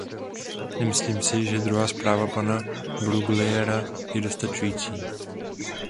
Nemyslím si, že druhá zpráva pana Bruguièra je dostačující.